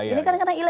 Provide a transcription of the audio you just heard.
ini karena ilegal